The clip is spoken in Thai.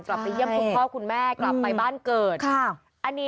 กลับไปเยี่ยมคุณพ่อคุณแม่กลับไปบ้านเกิดก็ค่ะงั้นยังไง